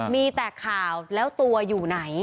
มีแต่ข่าวแล้วตัวอยู่ไหน